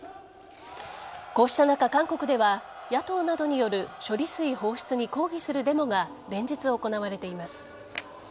こうした中、韓国では野党などによる処理水放出に抗議するデモが連日行われています。